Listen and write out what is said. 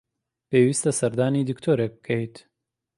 پێویستە سەردانی دکتۆرێک بکەیت.